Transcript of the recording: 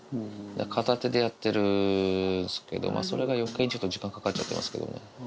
片手でやってるんすけど、それがよけいにちょっと時間かかっちゃってますけどね。